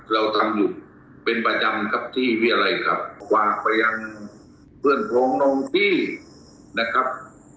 เราทำอยู่เป็นประจำครับที่วิรัยครับฝากไปยังเพื่อนพ้องน้องพี่นะครับ